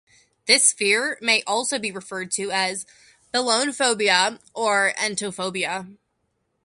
This fear may also be referred to as belonephobia or enetophobia.